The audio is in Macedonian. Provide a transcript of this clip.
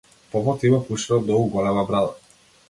Попот има пуштено многу голема брада.